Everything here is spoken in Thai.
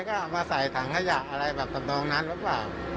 ก็เอามาใส่ถังขยะอะไรแบบทำนองนั้นหรือเปล่า